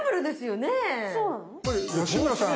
これ吉村さん